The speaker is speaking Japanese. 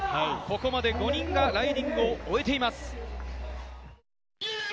ここまで５人がライディングを終えています。